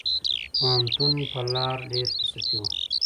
پوهنتون په لار ډېره فرصتي وه.